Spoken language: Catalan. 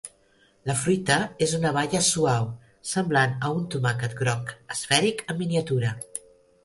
La fruita és una baia suau, semblant a un tomàquet groc esfèric en miniatura.